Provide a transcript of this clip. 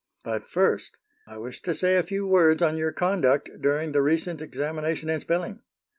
"But first I wish to say a few words on your conduct during the recent examination in spelling.